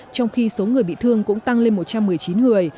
trong khi số người bị thương cũng tăng lên một trăm một mươi chín người